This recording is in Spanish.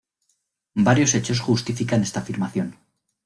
Varios hechos justifican esta afirmación.